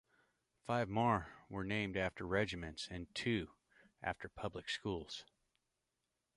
Five more were named after Regiments and two after public schools.